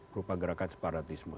berupa gerakan separatisme